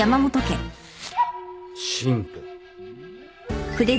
進歩。